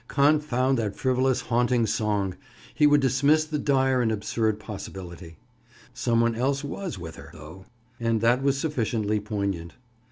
Confound that frivolous haunting song! He would dismiss the dire and absurd possibility. Some one else was with her, though, and that was sufficiently poignant.